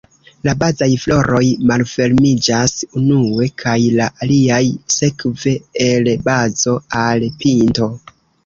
La bazaj floroj malfermiĝas unue, kaj la aliaj sekve, el bazo al pinto.